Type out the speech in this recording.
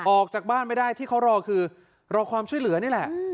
ออกจากบ้านไม่ได้ที่เขารอคือรอความช่วยเหลือนี่แหละ